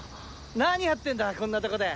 なにやってんだこんなとこで。